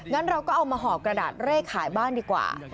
งั้นเราก็เอามาห่อกระดาษเร่ขายบ้านดีกว่า